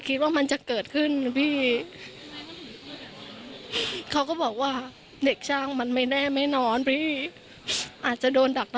คิดว่ามันจะเกิดขึ้นนะพี่เขาก็บอกว่าเด็กช่างมันไม่แน่ไม่นอนพี่อาจจะโดนดักรอ